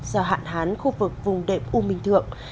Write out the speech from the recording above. do hạn hán khu vực vùng đệm u minh thượng